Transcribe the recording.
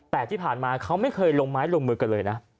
แต่ที่ผ่านมาเขาไม่เคยลงไม้ลงมือกันเลยนะ